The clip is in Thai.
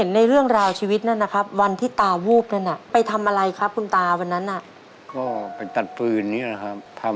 เนื่องจากคุณพ่อป่วยค่ะ